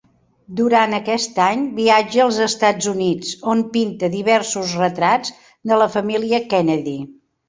Durant aquest any viatja als Estats Units, on pinta diversos retrats de la família Kennedy.